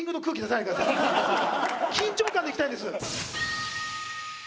緊張感でいきたいんです